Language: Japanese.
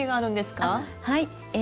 はい。